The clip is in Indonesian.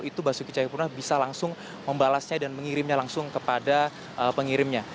itu basuki cahayapurna bisa langsung membalasnya dan mengirimnya langsung kepada pengirimnya